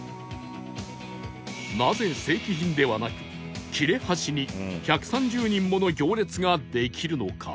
なぜ正規品ではなく切れ端に１３０人もの行列ができるのか？